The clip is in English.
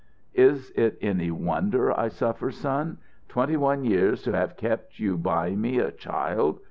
"Is it any wonder I suffer, son? Twenty one years to have kept you by me a child.